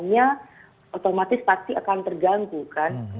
sehingga dia otomatis pasti akan terganggu kan